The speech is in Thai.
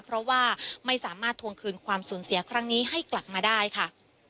เพราะว่าไม่สามารถทวงคืนความสูญเสียครั้งนี้ให้กลับมาได้ค่ะ